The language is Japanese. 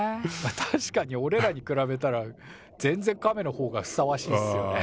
確かにおれらに比べたら全然カメのほうがふさわしいっすよね。